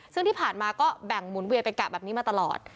ซึ่งที่ผ่านมาก็แบ่งหมุนเวียนเป็นกะแบบนี้มาตลอด